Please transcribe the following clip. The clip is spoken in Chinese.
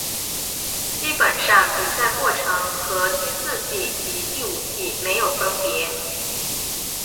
基本上比赛过程和第四季及第五季没有分别。